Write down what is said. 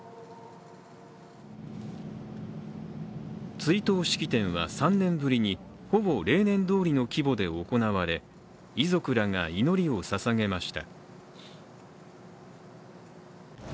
追悼式典は３年ぶりにほぼ例年どおりの規模で行われ遺族らが祈りをささげました。